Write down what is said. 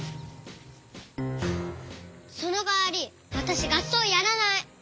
そのかわりわたしがっそうやらない。